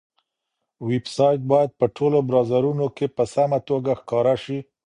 ویب سایټ باید په ټولو براوزرونو کې په سمه توګه ښکاره شي.